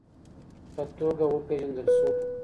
په توګه وپېژندل سو